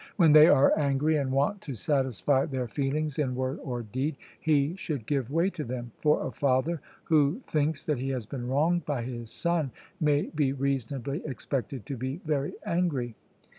When they are angry and want to satisfy their feelings in word or deed, he should give way to them; for a father who thinks that he has been wronged by his son may be reasonably expected to be very angry.